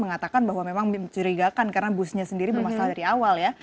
mengatakan bahwa memang mencurigakan karena busnya sendiri bermasalah dari awal ya